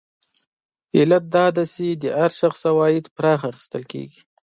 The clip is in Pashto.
علت یې دا دی چې د هر شخص عواید پراخه اخیستل کېږي